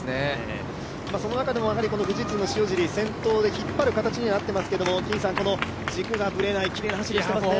その中でも富士通の塩尻、先頭で引っ張る形にはなっていますけど、この軸がぶれないきれいな走りをしていますね。